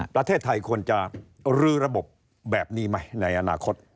ประเทศไทยควรจะรื้อระบบแบบนี้ไหมในอนาคต